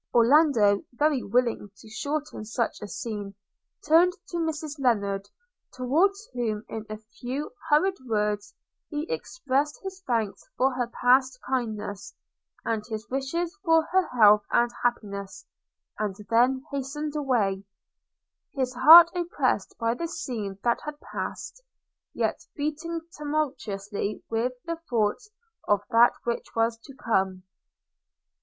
Orlando, very willing to shorten such a scene, turned to Mrs Lennard, towards whom in a few hurried words he expressed his thanks for her past kindness, and his wishes for her health and happiness; and then hastened away, his heart oppressed by the scene that had passed, yet beating tumultuously with the thoughts of that which was to come.